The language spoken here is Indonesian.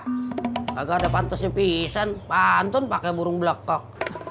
kagak ada pantasnya pisan pantun pake burung belekok